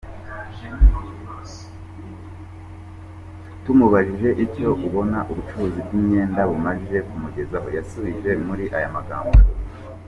Tumubajije icyo abona ubucuruzi bw’imyenda bumaze kumugezaho, yasubije muri aya magambo.